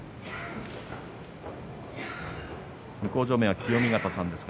向正面は清見潟さんです。